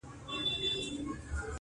مرمۍ اغېزه نه کوي -